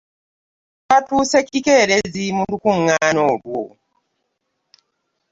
Twatuuse kikerezi mu lukuŋŋana olwo.